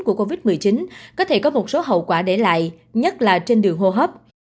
của covid một mươi chín có thể có một số hậu quả để lại nhất là trên đường hô hấp